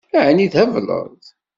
Ɛni thebleḍ?